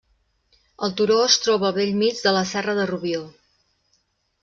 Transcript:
El turó es troba al bell mig de la Serra de Rubió.